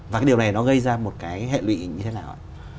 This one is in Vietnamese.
và điều này nó gây ra một hệ lụy như thế nào